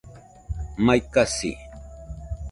Mai kasi